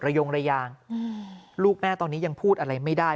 ยงระยางลูกแม่ตอนนี้ยังพูดอะไรไม่ได้